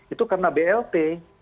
itu karena blt